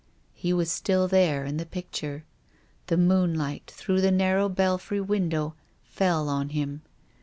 He was still there in the picture. The moonlight through the narrow belfry window fell on him.